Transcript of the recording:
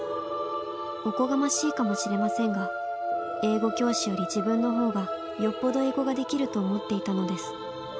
おこがましいかもしれませんが英語教師より自分の方がよっぽど英語ができると思っていたのです。